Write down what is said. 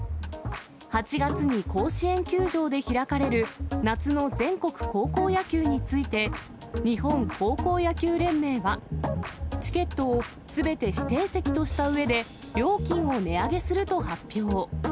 ８月に甲子園球場で開かれる、夏の全国高校野球について、日本高校野球連盟はチケットをすべて指定席としたうえで、料金を値上げすると発表。